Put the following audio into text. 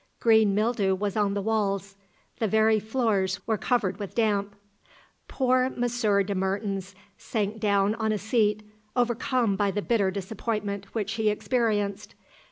Green mildew was on the walls. The very floors were covered with damp. Poor Monsieur de Mertens sank down on a seat, overcome by the bitter disappointment which he experienced.